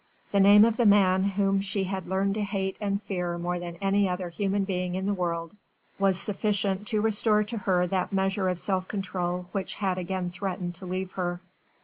The name of the man whom she had learned to hate and fear more than any other human being in the world was sufficient to restore to her that measure of self control which had again threatened to leave her.